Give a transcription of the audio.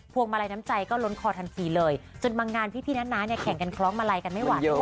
วงมาลัยน้ำใจก็ล้นคอทันทีเลยจนบางงานพี่น้าเนี่ยแข่งกันคล้องมาลัยกันไม่ไหว